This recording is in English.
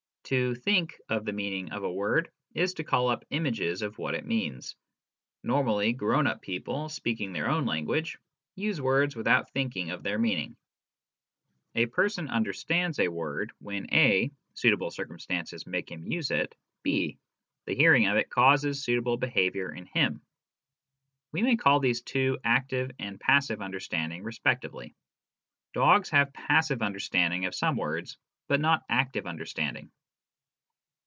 To " think " of the meaning of a word is to call up images of what it means. Normally, grown up people speaking their own language use words without thinking of their meaning. A person " understands " a word when (a) suitable circum stances make him use it, (b) the hearing of it causes suitable behaviour in him. We may call these two active and passive understanding respectively. Dogs often have passive under standing of some words, but not active understanding.